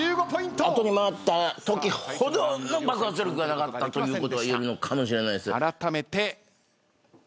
後に回ったときほどの爆発力がなかったということが言えるのかもしれないです。